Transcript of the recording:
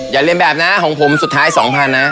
อย่าเรียนแบบนะของผมสุดท้าย๒๐๐๐นะ